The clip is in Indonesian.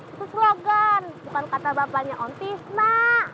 itu slogan bukan kata bapaknya ontis nak